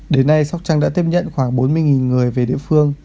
đến nay sóc trăng đã tiếp nhận khoảng bốn mươi người về địa phương